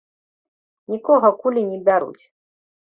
Нікога кулі не бяруць.